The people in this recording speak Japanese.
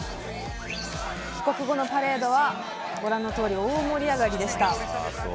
帰国後のパレードはご覧のとおり大盛り上がりでした。